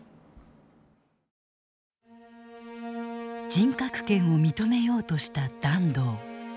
人格権を認めようとした團藤。